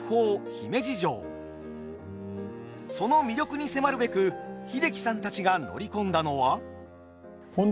その魅力に迫るべく英樹さんたちが乗り込んだのは。